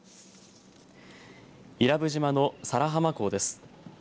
伊良部島の佐良浜港です。